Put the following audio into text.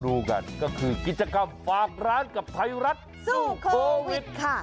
ดูกันก็คือกิจกรรมฝากร้านกับไทยรัฐสู้โควิดค่ะ